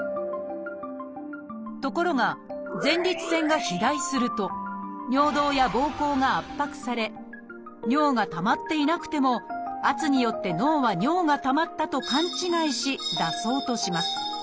ところが前立腺が肥大すると尿道やぼうこうが圧迫され尿がたまっていなくても圧によって脳は尿がたまったと勘違いし出そうとします。